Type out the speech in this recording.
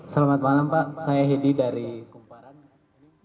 selamat malam pak saya hedi dari kumparan